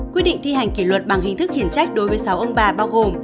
quyết định thi hành kỷ luật bằng hình thức khiển trách đối với sáu ông bà bao gồm